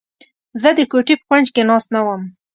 زه د کوټې په کونج کې ناست نه وم.